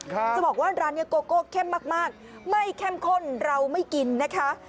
จะบอกว่าร้านนี้โกโก้เข้มมากไม่เข้มข้นเราไม่กินนะคะ